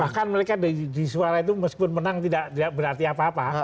bahkan mereka di suara itu meskipun menang tidak berarti apa apa